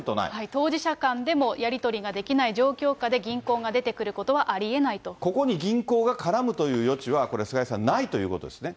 当事者間でもやり取りができない状況下で銀行が出てくることここに銀行が絡むという余地は、これ、菅井さん、ないということですね。